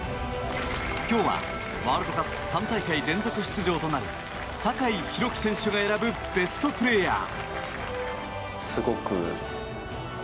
今日はワールドカップ３大会連続出場となる酒井宏樹選手が選ぶベストプレーヤー！